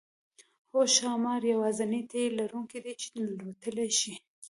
هو ښامار یوازینی تی لرونکی دی چې الوتلی شي